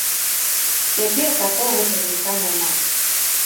Цяпер такога цягніка няма.